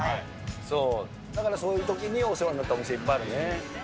そう、だからそういうときに、お世話になったお店、いっぱいあるね。